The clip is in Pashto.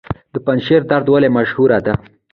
د پنجشیر دره ولې مشهوره ده؟